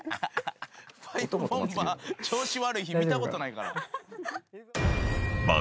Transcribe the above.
ファイブボンバー調子悪い日見たことないから。